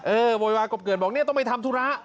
เออโวยวายกรบเกลือนบอกนี่ต้องไปทำธุระ